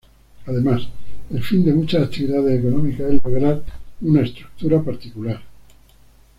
Además, el fin de muchas actividades económicas es lograr una estructura particular.